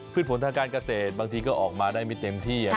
ผลทางการเกษตรบางทีก็ออกมาได้ไม่เต็มที่